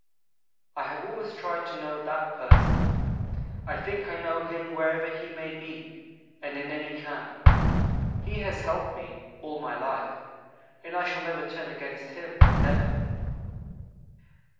I have always tried to know that 'person.' I think I know him wherever he may be, and in any camp. He has helped me all my life, and I shall never turn against him never."